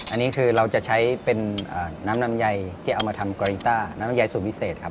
อันนี้คือเราจะใช้เป็นน้ำลำไยที่เอามาทำกอริต้าน้ำลำไยสูตรพิเศษครับ